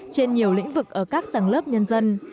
trên nhiều lĩnh vực ở các tầng lớp nhân dân